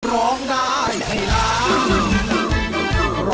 ร้องได้ให้ล้าน